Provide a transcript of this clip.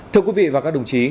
thưa quý vị và các đồng chí